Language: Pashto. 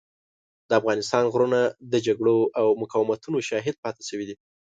د افغانستان غرونه د جګړو او مقاومتونو شاهد پاتې شوي دي.